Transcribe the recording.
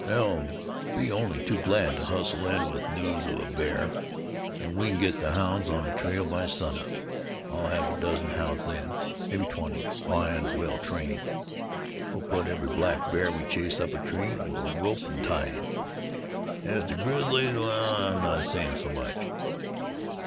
They'll be only too glad to hustle in with news of a bear, and we can get the hounds on the trail by sun up. I'll have a dozen hounds then, maybe twenty, and all trained. We'll put every black bear we chase up a tree, and we'll rope and tie him. As to grizzlies well, I'm not saying so much.